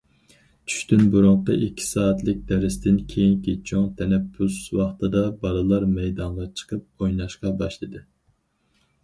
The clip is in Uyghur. چۈشتىن بۇرۇنقى ئىككى سائەتلىك دەرستىن كېيىنكى چوڭ تەنەپپۇس ۋاقتىدا، بالىلار مەيدانغا چىقىپ ئويناشقا باشلىدى.